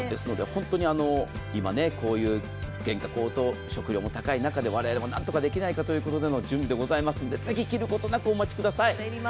本当に今、こういう原価高騰、食料も高い中で我々も何とかできないかという中での準備でございますのでぜひ切ることなく、お待ちください